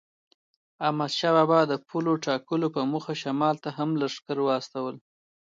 احمدشاه بابا د پولو ټاکلو په موخه شمال ته هم لښکر وایست.